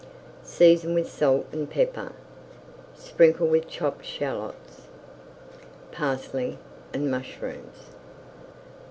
Season with salt and pepper, sprinkle with chapped shallots, parsley, and mushrooms.